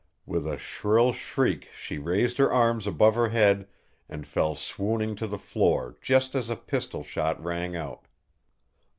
With a shrill shriek she raised her arms above her head and fell swooning to the floor just as a pistol shot rang out.